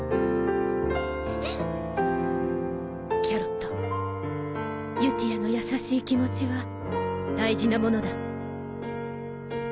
キャロットゆティアの優しい気持ちは大事なものだ。